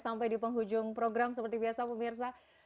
sampai di penghujung program seperti biasa pemirsa